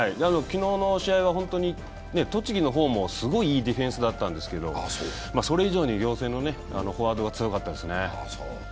昨日の試合は本当に栃木の方もすごいいいディフェンスだったんですけれども、それ以上に仰星のフォワードが強かったですね。